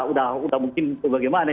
udah mungkin bagaimana